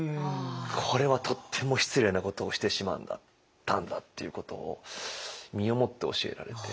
これはとっても失礼なことをしてしまったんだっていうことを身をもって教えられて。